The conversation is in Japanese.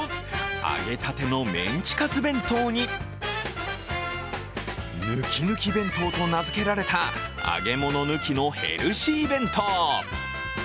揚げたてのメンチカツ弁当にぬきぬき弁当と名づけられた揚げ物抜きのヘルシー弁当。